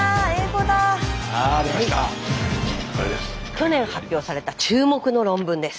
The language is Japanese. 去年発表された注目の論文です。